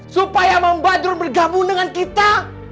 supaya membadrun bergabung dengan kita